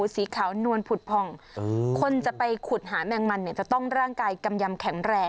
สีขาวนวลผุดผ่องคนจะไปขุดหาแมงมันเนี่ยจะต้องร่างกายกำยำแข็งแรง